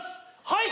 はい！